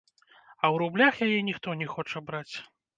А ў рублях яе ніхто не хоча браць.